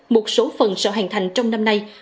một số phần sẽ hoàn thành trong năm nay